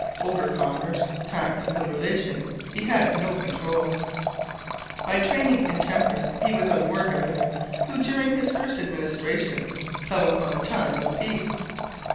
Over commerce, taxes, and religion he had no control. By training and temper he was a war governor, who during his first administration fell upon a time of peace.